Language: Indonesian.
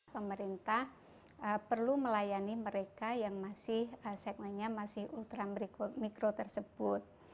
pemerintah perlu melayani mereka yang masih ultramikro tersebut